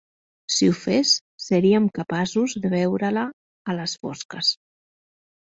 Si ho fes, seríem capaços de veure-la a les fosques.